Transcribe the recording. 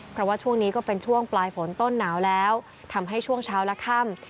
เพราะว่าช่วงนี้ก็เป็นช่วงปลายฝนต้นหนาวแล้วทำให้ช่วงเช้าและค่ำ